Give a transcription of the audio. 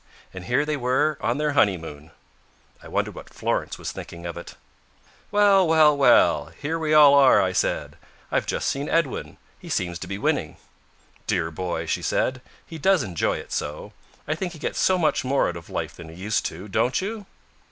And here they were on their honeymoon. I wondered what Florence was thinking of it. "Well, well, well, here we all are," I said. "I've just seen Edwin. He seems to be winning." "Dear boy!" she said. "He does enjoy it so. I think he gets so much more out of life than he used to, don't you?"